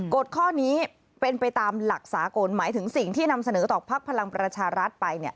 ฎข้อนี้เป็นไปตามหลักสากลหมายถึงสิ่งที่นำเสนอต่อภักดิ์พลังประชารัฐไป